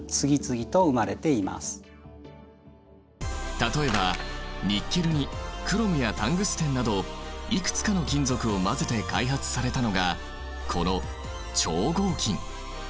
例えばニッケルにクロムやタングステンなどいくつかの金属を混ぜて開発されたのがこの超合金。